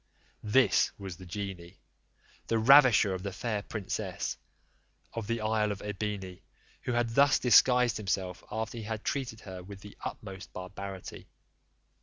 This was the genie, the ravisher of the fair princess of the isle of Ebene, who had thus disguised himself, after he had treated her with the utmost barbarity.